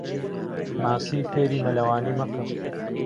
ماسی فێری مەلەوانی مەکە.